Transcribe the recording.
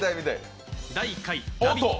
第１回「ラヴィット！」